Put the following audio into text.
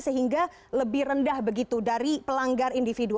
sehingga lebih rendah begitu dari pelanggar individu